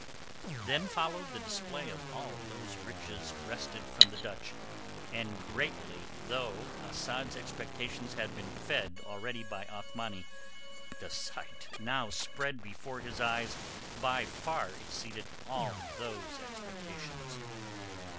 Then followed the display of all those riches wrested from the Dutch, and greatly though Asad's expectations had been fed already by Othmani, the sight now spread before his eyes by far exceeded all those expectations.